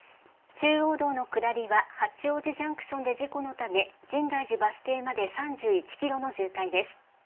中央道の下りは、八王子ジャンクションで事故のため、深大寺バス停まで３１キロの渋滞です。